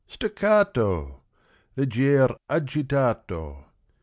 Staccato! Leggier agitato!